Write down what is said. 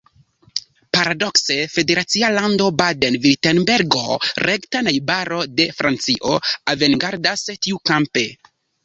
Paradokse, federacia lando Baden-Virtembergo, rekta najbaro de Francio, avangardas tiukampe.